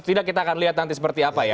tidak kita akan lihat nanti seperti apa ya